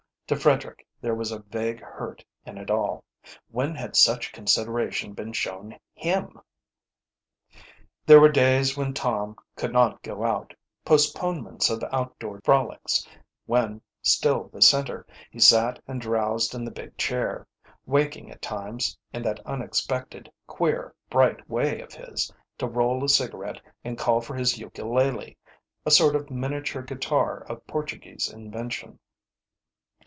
To Frederick there was a vague hurt in it all. When had such consideration been shown him? There were days when Tom could not go out, postponements of outdoor frolics, when, still the centre, he sat and drowsed in the big chair, waking, at times, in that unexpected queer, bright way of his, to roll a cigarette and call for his ukulele a sort of miniature guitar of Portuguese invention.